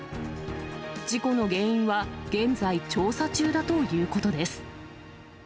事故の原因は現在、調査中だということです。